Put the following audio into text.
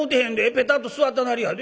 ぺたっと座ったなりやで。